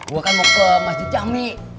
gue kan mau ke masjid jami